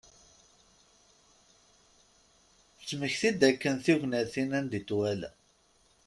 Tettmekti-d akken tignatin anda i t-wala.